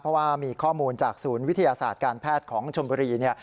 เพราะว่ามีข้อมูลจากศูนย์วิทยาศาสตร์การแพทย์ของชมบุรี